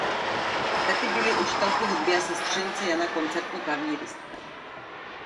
Tety byly učitelky hudby a sestřenice Jana koncertní klavíristka.